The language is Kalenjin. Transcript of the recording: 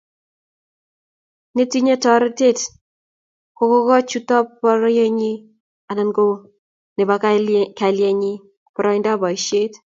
Netinyei torornatet kokoch chutab pororienyi anan ko nebo kalainyi boroindap boisiet